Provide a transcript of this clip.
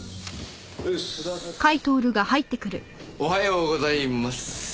おはようございます。